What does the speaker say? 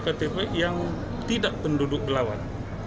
pemilu ktb yang tidak penduduk belawan